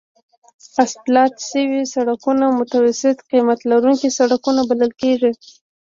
اسفالت شوي سړکونه متوسط قیمت لرونکي سړکونه بلل کیږي